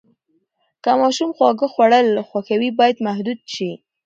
که ماشوم خواږه خوړل خوښوي، باید محدود شي.